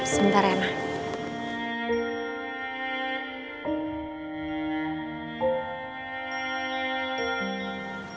sebentar ya ma